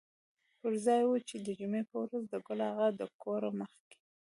پر ځای و چې د جمعې په ورځ د ګل اغا د کور مخکې.